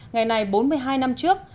ngày này bốn mươi hai năm trước